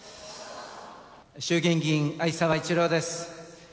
衆議院議員、逢沢一郎です。